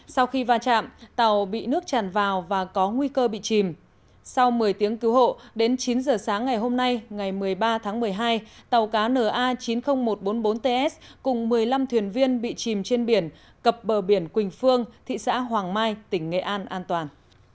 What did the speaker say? sau khi va chạm tàu bị nước tràn vào và có nguy cơ bị chìm sau một mươi tiếng cứu hộ đến chín giờ sáng ngày hôm nay ngày một mươi ba tháng một mươi hai tàu cá na chín mươi nghìn một trăm bốn mươi bốn ts cùng một mươi năm thuyền viên bị chìm trên biển cập bờ biển quỳnh phương thị xã hoàng mai tỉnh nghệ an an toàn